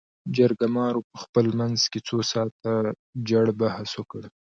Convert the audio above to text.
جرګمارو په خپل منځ کې څو ساعاته جړ بحث وکړ.